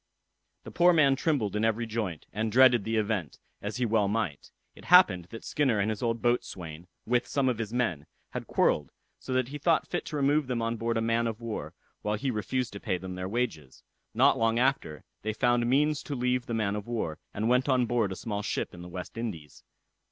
The poor man trembled in every joint, and dreaded the event, as he well might. It happened that Skinner and his old boatswain, with some of his men, had quarrelled, so that he thought fit to remove them on board a man of war, while he refused to pay them their wages. Not long after, they found means to leave the man of war, and went on board a small ship in the West Indies.